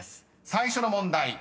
最初の問題